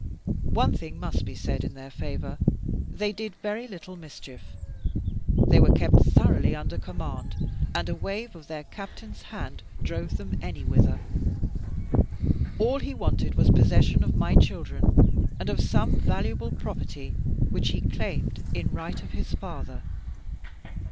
One thing must be said in their favour they did very little mischief. They were kept thoroughly under command, and a wave of their captain's hand drove them anywhither. All he wanted was possession of my children, and of some valuable property which he claimed in right of his father.